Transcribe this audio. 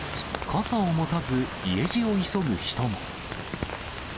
傘を持たず、家路を急ぐ人も。